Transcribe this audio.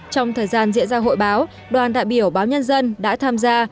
trong thời gian diễn ra hội báo đoàn đại biểu báo nhân dân đã tham gia